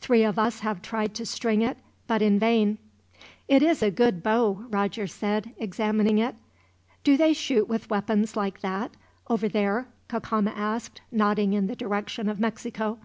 Three of us have tried together to string it, but in vain." "It is a good bow," Roger said, examining it. "Do they shoot with weapons like that, over there?" Cacama asked, nodding in the direction of Mexico.